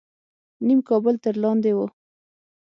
نیم کابل تر لاندې و.